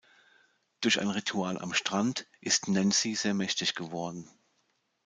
Durch ein Ritual am Strand ist Nancy sehr mächtig geworden.